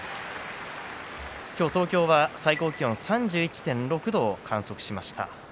東京は今日、最高気温３１．６度を観測しました。